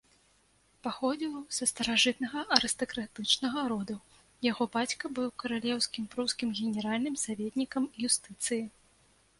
Паходзіў са старажытнага арыстакратычнага роду, яго бацька быў каралеўскім прускім генеральным саветнікам юстыцыі.